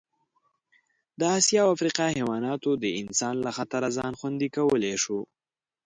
د اسیا او افریقا حیواناتو د انسان له خطره ځان خوندي کولی شو.